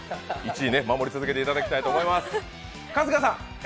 １位守り続けていただきたいと思います。